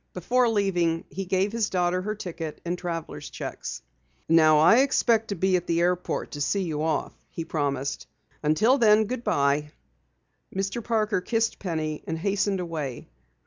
Before leaving, he gave his daughter her ticket and travelers checks. "Now I expect to be at the airport to see you off," he promised. "Until then, good bye." Mr. Parker kissed Penny and hastened away.